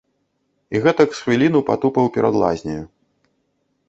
І гэтак з хвіліну патупаў перад лазняю.